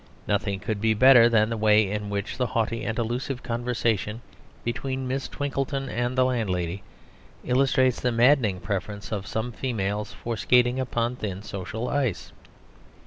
Nothing could be better than the way in which the haughty and allusive conversation between Miss Twinkleton and the landlady illustrates the maddening preference of some females for skating upon thin social ice.